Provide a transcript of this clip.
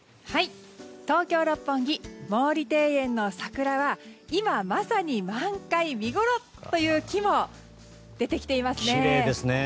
東京・六本木毛利庭園の桜は今、まさに満開、見ごろという木も出てきています。